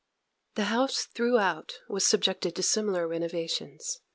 The house throughout was subjected to similar renovations.